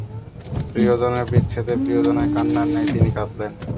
প্রিয়জনের বিচ্ছেদে প্রিয়জনের কান্নার ন্যায় তিনি কাঁদলেন।